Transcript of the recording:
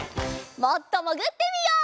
もっともぐってみよう！